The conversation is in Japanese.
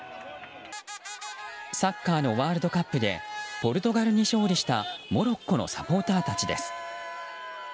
サッカーのワールドカップでポルトガルに勝利したモロッコのサポーターたちです。